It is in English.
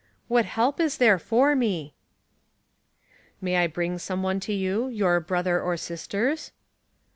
'' What help is there for me ?"" May T bring some one to you, — your brother or sisters